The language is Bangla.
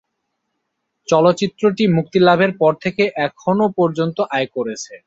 চলচ্চিত্রটি মুক্তিলাভের পর থেকে এখনও পর্যন্ত আয় করেছে।